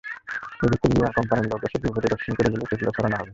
বিদেশ থেকে বিমা কোম্পানির লোক এসে পরিদর্শন করে গেলেই সেগুলো সরানো হবে।